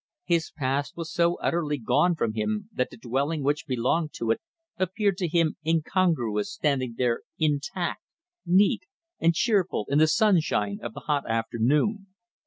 His past was so utterly gone from him that the dwelling which belonged to it appeared to him incongruous standing there intact, neat, and cheerful in the sunshine of the hot afternoon.